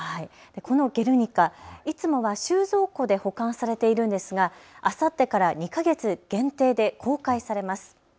このゲルニカいつもは収蔵庫で保管されているんですがあさってから２か月限定で公開されます。